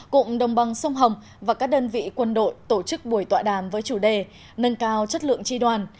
cụm đồng bằng sông hồng và các đơn vị quân đội tổ chức buổi tọa đàm với chủ đề nâng cao chất lượng tri đoàn